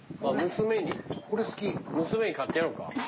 娘に買ってやろうか？